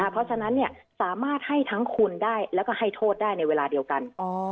เพราะฉะนั้นสามารถให้ทั้งคุณได้แล้วก็ให้โทษได้ในเวลาเดียวกัน